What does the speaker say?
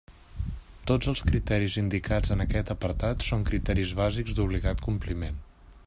Tots els criteris indicats en aquest apartat són criteris bàsics d'obligat compliment.